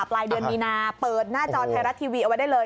ปลายเดือนมีนาเปิดหน้าจอไทยรัฐทีวีเอาไว้ได้เลย